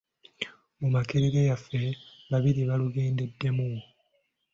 "Mu Makerere yaffe, babiri baalugenderamu."